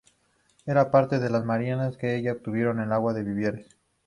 Eran parte de las Marianas y en ellas obtuvieron agua y víveres.